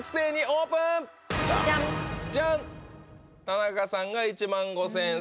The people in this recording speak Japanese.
田中さんが１万５０００円